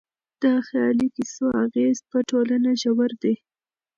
د خيالي کيسو اغېز په ټولنه ژور دی.